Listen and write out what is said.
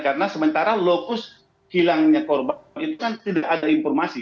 karena sementara lopus hilangnya korban itu kan tidak ada informasi